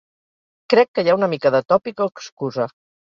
Crec que hi ha una mica de tòpic o excusa.